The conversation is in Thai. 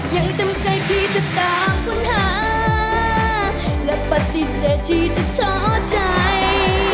ยังจำใจที่จะตามคุณหาและปฏิเสธที่จะเทาะใจ